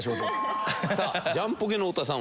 さあジャンポケの太田さん